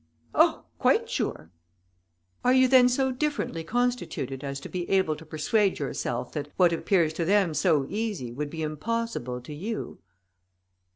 "Oh! quite sure." "Are you then so differently constituted, as to be able to persuade yourself, that what appears to them so easy, would be impossible to you?"